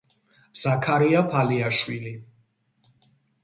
ზაქარია ფალიაშვილი